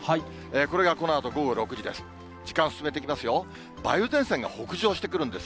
これがこのあと午後６時です。